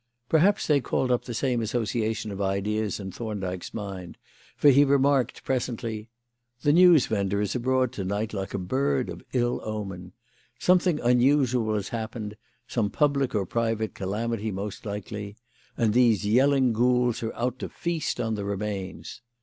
Perhaps they called up the same association of ideas in Thorndyke's mind, for he remarked presently: "The newsvendor is abroad to night like a bird of ill omen. Something unusual has happened: some public or private calamity, most likely, and these yelling ghouls are out to feast on the remains.